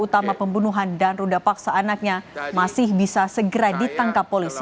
utama pembunuhan dan ruda paksa anaknya masih bisa segera ditangkap polisi